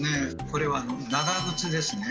これは「長靴」ですね。